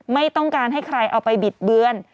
ไม่ต้องการให้ใครเอาไปบิดเบือน